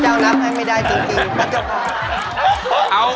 เจ้านับให้ไม่ได้จริงพระเจ้า